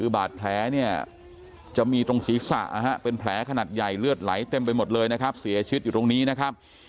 บาดแผลเนี่ยจะมีตรงศีรษะเป็นแผลขนาดใหญ่เลือดไหลเต็มไปหมดเลยนะครับเสียชีวิตอยู่ตรงนี้นะครับ